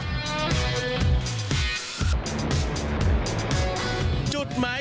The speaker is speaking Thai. จุดหมายของวิธีการเข้าไป